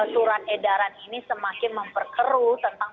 surat edaran ini semakin memperkeru tentang